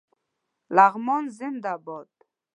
لغمان زنده باد